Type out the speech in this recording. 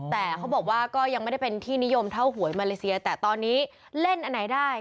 แต่เขาบอกว่าก็ยังไม่ได้เป็นที่นิยมเท่าหวยมาเลเซียแต่ตอนนี้เล่นอันไหนได้